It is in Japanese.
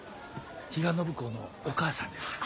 比嘉暢子のお母さんです。